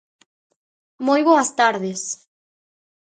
Moi boas tardes.